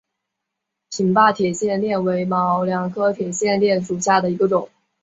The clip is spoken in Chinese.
平坝铁线莲为毛茛科铁线莲属下的一个种。